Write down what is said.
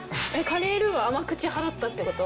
カレールーは甘口派だったってこと？